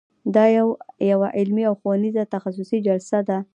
دا یوه علمي او ښوونیزه تخصصي جلسه ده.